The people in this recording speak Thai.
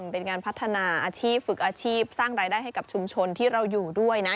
เป็นงานพัฒนาอาชีพฝึกอาชีพสร้างรายได้ให้กับชุมชนที่เราอยู่ด้วยนะ